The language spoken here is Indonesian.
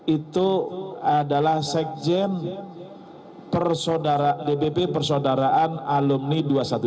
itu adalah sekjen dpp persaudaraan alumni dua ratus dua belas